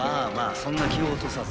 そんな気を落とさず。